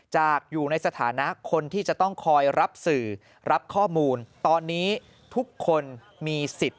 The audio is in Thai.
อยู่ในสถานะคนที่จะต้องคอยรับสื่อรับข้อมูลตอนนี้ทุกคนมีสิทธิ์